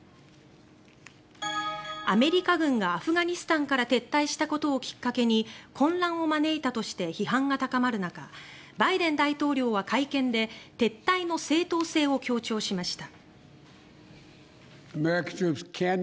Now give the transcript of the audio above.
アメリカ軍がアフガニスタンから撤退したことをきっかけに混乱を招いたとして批判が高まる中バイデン大統領は会見で撤退の正当性を強調しました。